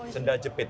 yang sudah jepit